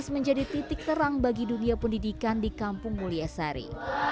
dua ribu tujuh belas menjadi titik terang bagi dunia pendidikan di kampung mulya sari